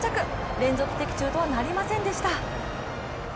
連続的中とはなりませんでした。